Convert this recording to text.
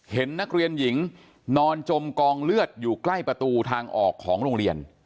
เห็นนักเรียนหญิงนอนจมกองเลือดอยู่ใกล้ประตูทางออกของโรงเรียน